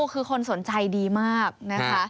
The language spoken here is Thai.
คือคนสนใจดีมากนะคะ